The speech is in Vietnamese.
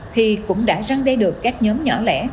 thì cũng đã răng đe được các nhóm nhỏ lẻ